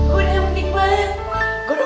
gue udah mending banget